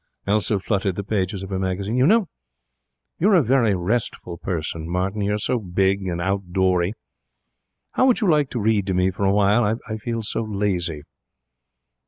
Elsa fluttered the pages of her magazine. 'You know, you're a very restful person, Martin. You're so big and outdoory. How would you like to read to me for a while? I feel so lazy.'